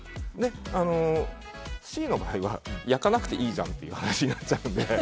Ｃの場合は焼かなくていいじゃんという話になっちゃうので。